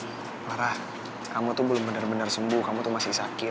clara kamu tuh belum bener bener sembuh kamu tuh masih sakit